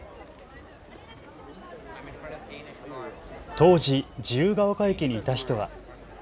当時、自由が丘駅にいた人は。